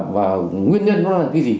và nguyên nhân nó là cái gì